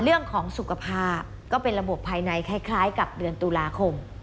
เรื่องของสุขภาพก็เป็นระบบภายในคล้ายกับเดือนตุลาคม